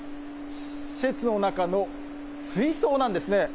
施設の中の水槽なんですね。